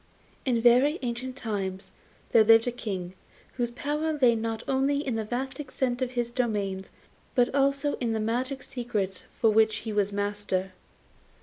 In very ancient times there lived a King, whose power lay not only in the vast extent of his dominions, but also in the magic secrets of which he was master.